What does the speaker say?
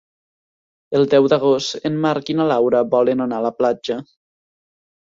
El deu d'agost en Marc i na Laura volen anar a la platja.